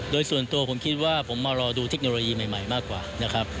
โดยส่วนตัวผมคิดว่าผมมารอดูเทคโนโลยีใหม่มากกว่านะครับ